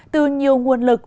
từ nhiều nguồn lực